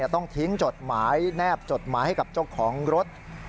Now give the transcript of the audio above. ต้องทิ้งจดหมายแนบจดหมายให้กับเจ้าของรถ